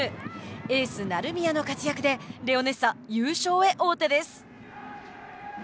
エース成宮の活躍でレオネッサ優勝へ王手です。